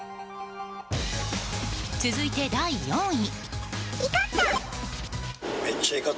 続いて、第４位。